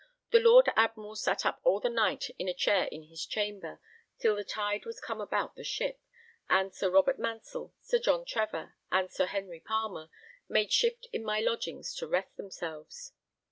The Lord Admiral sat up all the night in a chair in his chamber, till the tide was come about the ship; and Sir Robert Mansell, Sir John Trevor, and Sir Henry Palmer made shift in my lodgings to rest themselves.